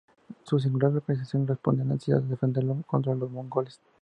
Su singular localización respondía a la necesidad de defenderlo contra los mongoles.